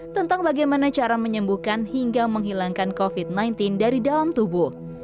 tentang bagaimana cara menyembuhkan hingga menghilangkan covid sembilan belas dari dalam tubuh